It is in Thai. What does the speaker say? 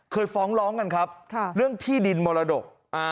ฟ้องร้องกันครับเรื่องที่ดินมรดก